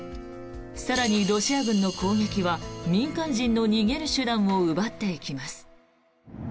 更に、ロシア軍の攻撃は民間人の逃げる手段を奪っていきます。